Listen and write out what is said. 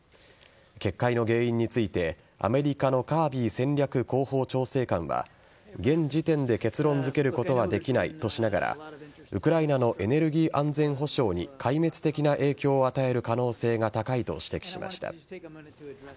決壊の原因についてアメリカのカービー戦略広報調整官は現時点で結論づけることはできないとしながらウクライナのエネルギー安全保障に壊滅的な影響を与える可能性が高いと指摘しました。